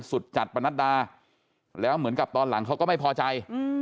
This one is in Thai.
จัดประนัดดาแล้วเหมือนกับตอนหลังเขาก็ไม่พอใจ